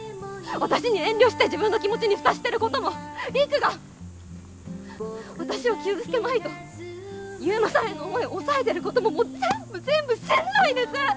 私に遠慮して自分の気持ちに蓋してることも陸が私を傷つけまいと悠磨さんへの思い抑えてることももう全部全部しんどいです！